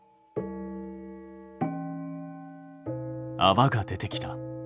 あわが出てきた。